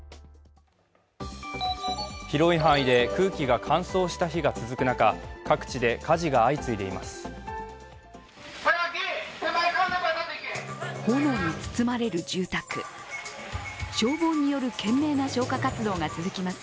広い範囲で空気が乾燥した日が続く中各地で火事が相次いでいます。